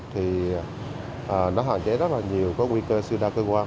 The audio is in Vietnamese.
thì nó hạn chế rất là nhiều cái nguy cơ siêu đa cơ quan